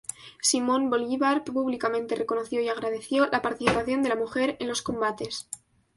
Simón Bolívar públicamente reconoció y agradeció la participación de la mujer en los combates.